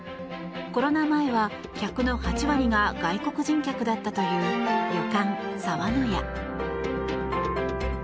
コロナ前は客の８割が外国人客だったという旅館澤の屋。